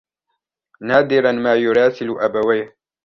نادرا ما يراسل أبويه.